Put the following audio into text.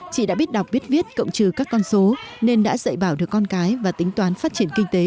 chị đã biết đọc biết viết cộng trừ các con số nên đã dạy bảo được con cái và tính toán phát triển kinh tế